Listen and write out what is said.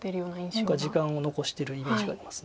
何か時間を残してるイメージがあります。